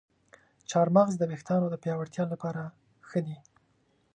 چارمغز د ویښتانو د پیاوړتیا لپاره ښه دی.